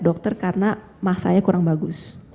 dokter karena mah saya kurang bagus